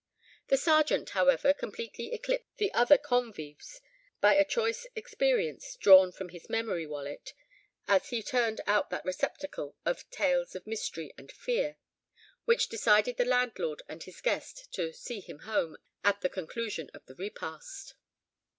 The Sergeant, however, completely eclipsed the other convives by a choice experience drawn from his memory wallet, as he turned out that receptacle of "tales of mystery and fear," which decided the landlord and his guest to "see him home" at the conclusion of the repast.